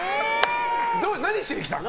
何しに来たの。